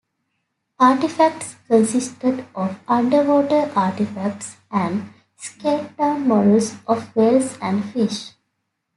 Artifacts consisted of underwater artifacts and scaled-down models of whales and fish.